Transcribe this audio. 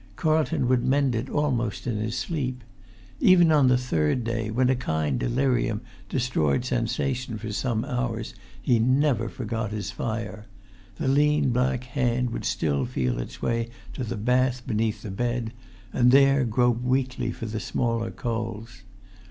Carlton would mend it almost in his sleep. Even on the third day, when a kind delirium destroyed sensation for some hours, he never forgot his fire; the lean black hand would still feel its way to the bath beneath the bed, and there grope weakly for the smaller coals.